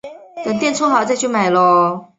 之后数年鲜有作品。